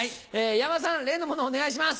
山田さん例の物をお願いします。